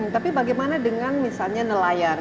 tapi bagaimana dengan misalnya nelayan